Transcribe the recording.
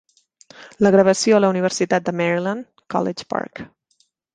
Gravació a la Universitat de Maryland, College Park.